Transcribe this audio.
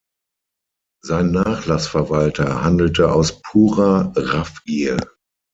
Sein Nachlassverwalter handelte aus purer Raffgier.